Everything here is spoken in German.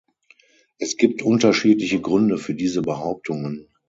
Es gibt unterschiedliche Gründe für diese Behauptungen.